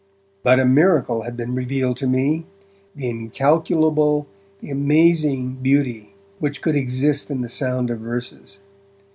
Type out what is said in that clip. But a miracle had been revealed to me, the incalculable, the amazing beauty which could exist in the sound of verses.